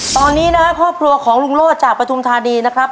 ตอนนี้นะครับครอบครัวของลุงโลศจากปฐุมธานีนะครับ